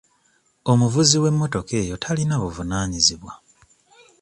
Omuvuzi w'emmotoka eyo talina buvunaanyizibwa.